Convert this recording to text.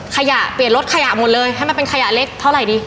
ขยะเปลี่ยนรถขยะหมดเลยให้มันเป็นขยะเล็กเท่าไหร่ดี